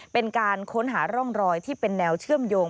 เป็นการค้นหาร่องรอยที่เป็นแนวเชื่อมโยง